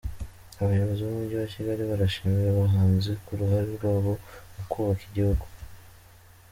Abayobozi bumujyi wa Kigali barashimira abahanzi ku ruhare rwabo mukubaka igihugu